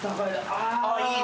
ああいい。